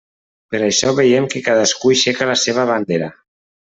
Per això veiem que cadascú aixeca la seva bandera.